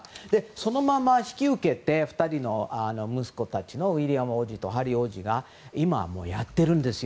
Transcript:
そのまま引き受けて２人の息子たちウィリアム王子とヘンリー王子が今、やってるんですよ。